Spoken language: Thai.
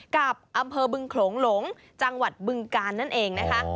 กับอำเภอบึงโขลงหลงจังหวัดบึงกาลนั่นเองนะคะ